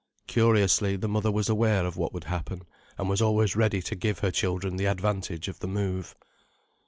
Curiously, the mother was aware of what would happen, and was always ready to give her children the advantage of the move.